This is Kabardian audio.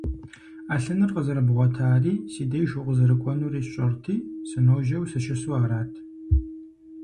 Ӏэлъыныр къызэрыбгъуэтари си деж укъызэрыкӀуэнури сщӀэрти, сыножьэу сыщысу арат.